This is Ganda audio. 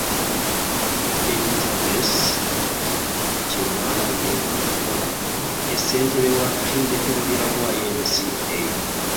Elizabeth Kyewalabye Kaggwa, ye Ssentebe w'ettendekero lya YMCA